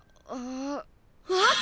あった！